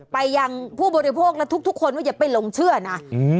ไปยังผู้บริโภคและทุกคนว่าอย่าไปหลงเชื่อนะ